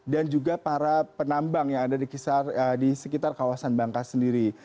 dan juga para penambang yang ada di sekitar kawasan bangka sendiri